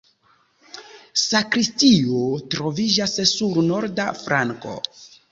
Sakristio troviĝas sur norda flanko.